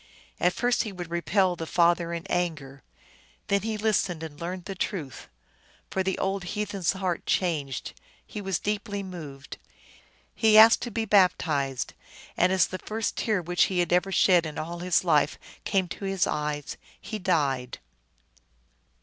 At first he would repel the father in anger. Then he listened and learned the truth. So the old heathen s heart changed ; he was deeply moved. He asked to be baptized, and as the first tear which he had ever shed in all his life came to his eyes he died.